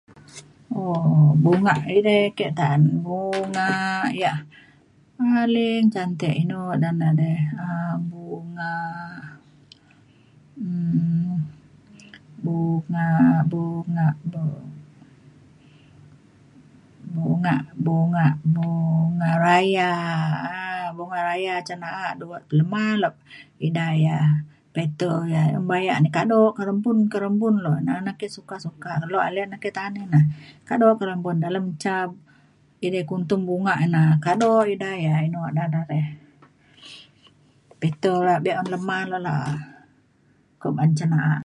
um bunga edei ke ta'an bunga ia' paling cantik inu ngadan na dei um bunga um bunga bunga bu- bunga bunga bunga raya um bunga raya cin na'a lema lok ida ia' petal ia' bayak ni kado kerempun kerempun lok na na ake suka suka kelo ale ake ta'an ina kado kerempun dalem ca edai kuntum bunga ina kado ida ia' inu ngadan na re petal na be'un lema le la'a kuak ban cin na'a